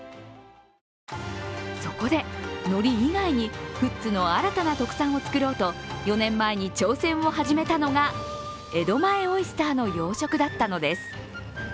そこで、のり以外に富津の新たな特産をつくろうと４年前に挑戦を始めたのが江戸前オイスターの養殖だったのです。